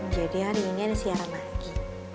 jadi hari ini ada siaran lagi